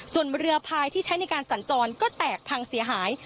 ส่วนเรือพายที่ใช้ในการสัญจรก็แตกพังเสียหาย